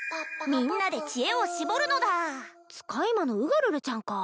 みんなで知恵を絞るのだ使い魔のウガルルちゃんか